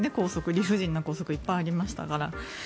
理不尽な校則いっぱいありましたから。